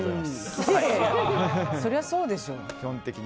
そりゃそうでしょ。